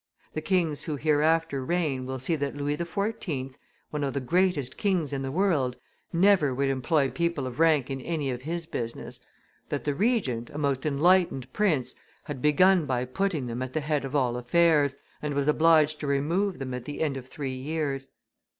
The kings who hereafter reign will see that Louis XIV., one of the greatest kings in the world, never would employ people of rank in any of his business; that the Regent, a most enlightened prince, had begun by putting them at the head of all affairs, and was obliged to remove them at the end of three years.